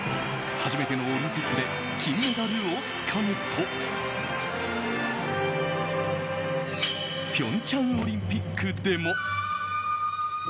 初めてのオリンピックで金メダルをつかむと平昌オリンピックでも。